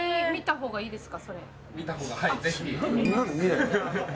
見た方がはいぜひ。